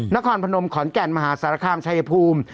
นครพนมขอนแก่นมหาสารคามชายภูมิ